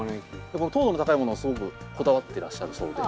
糖度の高いものをすごくこだわってらっしゃるそうで。